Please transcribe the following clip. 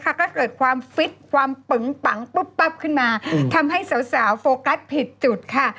ก็เกิดความฟิตความปึงปังปุ๊บปั๊บขึ้นมาทำให้สาวโฟกัสผิดจุดค่ะ